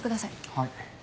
はい。